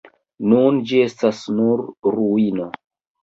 Nun ĝi estas nur ruino.